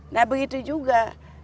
nah begitu juga